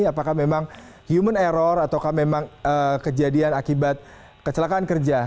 apakah memang human error atau memang kejadian akibat kecelakaan kerja